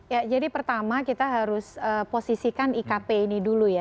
ya jadi pertama kita harus posisikan ikp ini dulu ya